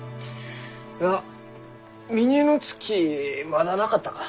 いや峰乃月まだなかったか？